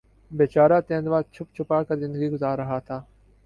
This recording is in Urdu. بیچارہ تیندوا چھپ چھپا کر زندگی گزار رہا تھا